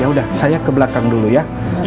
ya udah saya ke belakang dulu ya